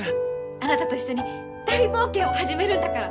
あなたと一緒に大冒険を始めるんだから！